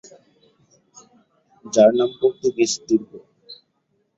যার নাম পর্তুগীজ দুর্গ।